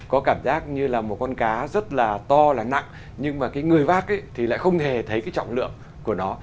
có cảm giác như là một con cá rất là to là nặng nhưng mà cái người bác thì lại không hề thấy cái trọng lượng của nó